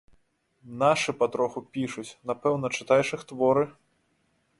Нашы патроху пішуць, напэўна, чытаеш іх творы.